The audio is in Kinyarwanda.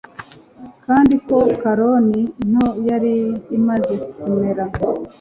kandi ko koloni nto yari imaze kumera